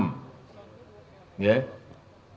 tujuh ton di pupuk ya